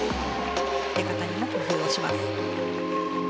出方にも工夫をします。